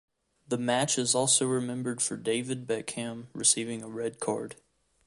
The match is also remembered for David Beckham receiving a red card.